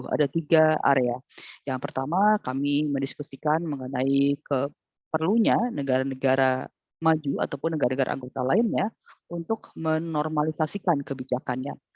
ada tiga area yang pertama kami mendiskusikan mengenai perlunya negara negara maju ataupun negara negara anggota lainnya untuk menormalisasikan kebijakannya